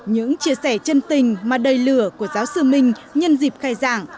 những chia sẻ chân tình mà đầy lửa của giáo sư minh nhân dịp khai giảng